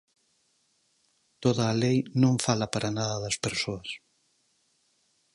Toda a lei non fala para nada das persoas.